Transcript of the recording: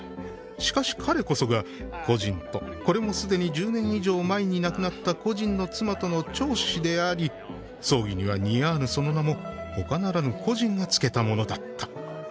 「しかし彼こそが、故人と、これもすでに十年以上前になくなった故人の妻との長子であり、葬儀には似合わぬその名も、他ならぬ故人がつけたものだった」。